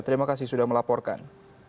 terima kasih sudah melaporkan